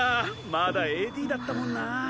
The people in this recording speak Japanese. まだＡＤだったもんな。